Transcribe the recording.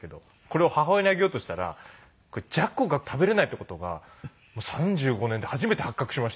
これを母親にあげようとしたらジャコが食べれないっていう事が３５年で初めて発覚しまして。